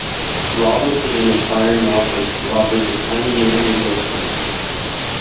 Robert is an aspiring novelist who operates a tiny neighborhood bookstore.